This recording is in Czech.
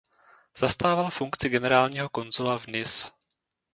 Zastával funkci generálního konzula v Nice.